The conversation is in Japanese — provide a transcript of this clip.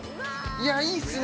◆いや、いいっすね。